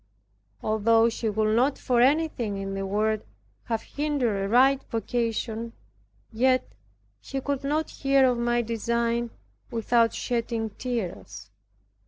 Although he would not for anything in the world have hindered a right vocation, yet he could not hear of my design without shedding tears.